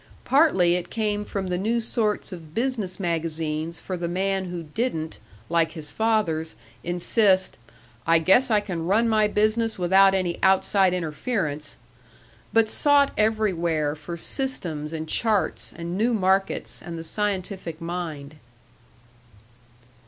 Partly it came from the new sorts of business magazines for the man who didn't, like his fathers, insist, "I guess I can run my business without any outside interference," but sought everywhere for systems and charts and new markets and the scientific mind.